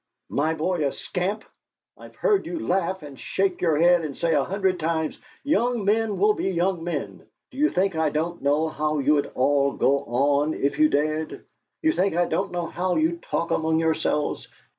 "My boy a scamp! I've heard you laugh and shake your head and say a hundred times: 'Young men will be young men!' You think I don't know how you'd all go on if you dared! You think I don't know how you talk among yourselves!